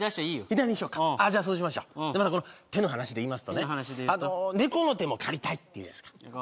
左にしようかじゃそうしましょう手の話でいいますとね「猫の手も借りたい」って言うじゃないすか